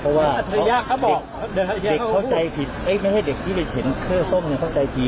เพราะว่าเด็กเข้าใจผิดไม่ให้เด็กที่เห็นเสื้อส้มเข้าใจที